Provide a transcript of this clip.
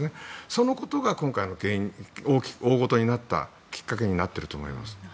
そのことが今回、大ごとになったきっかけになっていると思います。